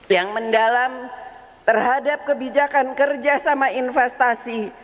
yang mendalam terhadap kebijakan kerja sama investasi